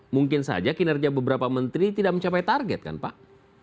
mungkin saja kinerja beberapa menteri tidak mencapai target kan pak